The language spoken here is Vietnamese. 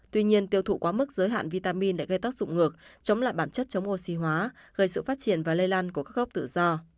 tuy nhiên tiêu thụ quá mức giới hạn vitamin lại gây tác dụng ngược chống lại bản chất chống oxy hóa gây sự phát triển và lây lan của khớp tự do